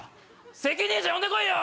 責任者呼んで来いよ！